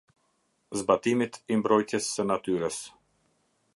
Zbatimit i mbrojtjes së natyrës.